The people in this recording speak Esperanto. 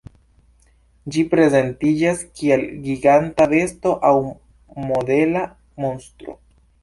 Ĝi prezentiĝas kiel giganta besto aŭ modela monstro.